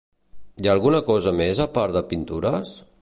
Hi ha alguna cosa més a part de pintures?